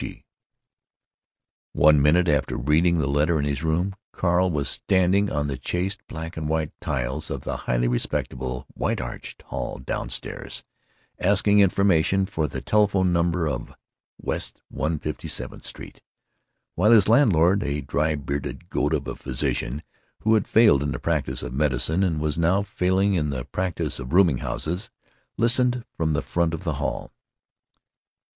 G. One minute after reading the letter, in his room, Carl was standing on the chaste black and white tiles of the highly respectable white arched hall down stairs asking Information for the telephone number of —— West 157th Street, while his landlord, a dry bearded goat of a physician who had failed in the practise of medicine and was now failing in the practise of rooming houses, listened from the front of the hall.